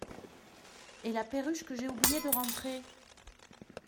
Et la perruche que j’ai oublié de rentrer !…